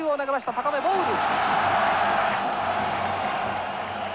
高めボール。